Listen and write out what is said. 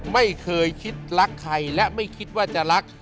ไม่เคยคิดรักใครและไม่คิดว่าจะรัก